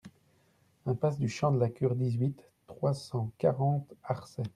Impasse du Champ de la Cure, dix-huit, trois cent quarante Arçay